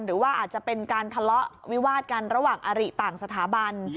หรือว่าอาจจะเป็นการทะเลาะวิวาดกันระหว่างอาริต่างสถาบัน